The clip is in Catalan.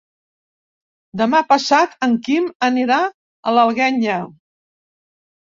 Demà passat en Quim anirà a l'Alguenya.